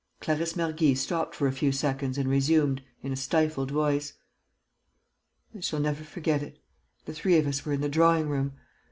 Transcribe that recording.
Clarisse Mergy stopped for a few seconds and resumed, in a stifled voice: "I shall never forget it.... The three of us were in the drawing room.